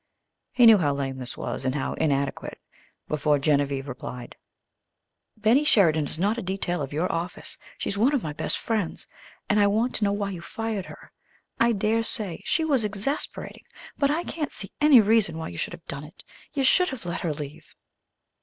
He knew how lame this was, and how inadequate, before Genevieve replied. "Betty Sheridan is not a detail of your office. She's one of my best friends, and I want to know why you fired her. I dare say she was exasperating; but I can't see any reason why you should have done it. You should have let her leave."